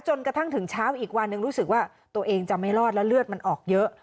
จนกระทั่งถึงเช้าอีกวันหนึ่งรู้สึกว่าตัวเองจะไม่รอดแล้วเลือดมันออกเยอะ